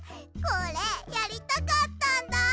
これやりたかったんだ！